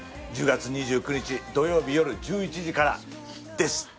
１０月２９日土曜日よる１１時からです。